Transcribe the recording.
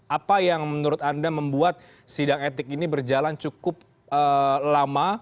apa yang menurut anda membuat sidang etik ini berjalan cukup lama